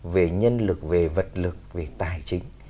về nhân lực về vật lực về tài chính